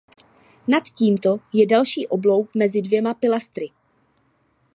Nad tímto je další oblouk mezi dvěma pilastry.